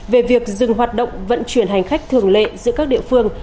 về việc dừng hoạt động vận chuyển hành khách thường lệ giữa các địa phương